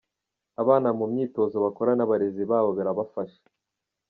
Abana mu myitozo bakora n'abarezi babo barabafasha.